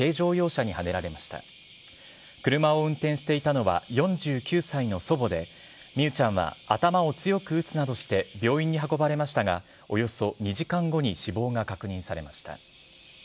車を運転していたのは４９歳の祖母で、美佑ちゃんは頭を強く打つなどして病院に運ばれましたが、およそ２時間後に死亡が確認されました。